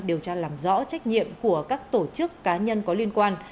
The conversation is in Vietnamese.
điều tra làm rõ trách nhiệm của các tổ chức cá nhân có liên quan